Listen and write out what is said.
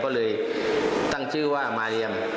ก็เลยตั้งชื่อว่ามาเรียม